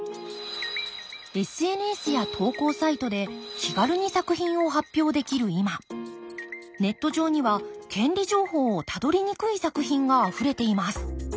ＳＮＳや投稿サイトで気軽に作品を発表できる今ネット上には権利情報をたどりにくい作品があふれています。